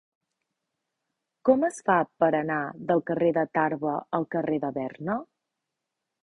Com es fa per anar del carrer de Tarba al carrer de Berna?